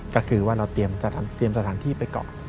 ก็คือว่าเราเตรียมสถานที่ไปก่อน